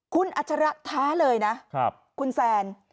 คุณอัชระท้าเลยนะคุณแซน